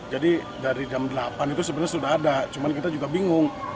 jadi dari jam delapan itu sebenarnya sudah ada cuman kita juga bingung